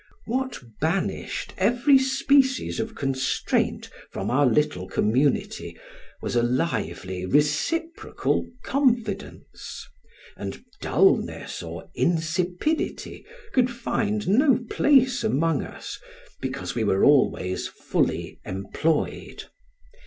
What banished every species of constraint from our little community, was a lively reciprocal confidence, and dulness or insipidity could find no place among us, because we were always fully employed.